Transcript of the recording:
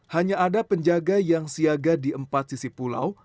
hanya ada penjaga yang siaga di empat sisi pulau